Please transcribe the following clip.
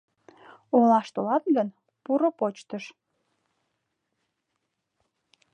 Олаш толат гын, пуро почтыш.